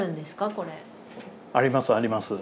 これ。ありますあります。